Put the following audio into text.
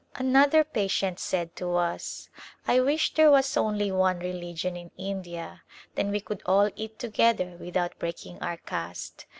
Another patient said to us :" I wish there was only one religion in India, then we could all eat together without breaking our caste."